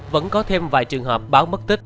vẫn có thêm vài trường hợp báo mất tích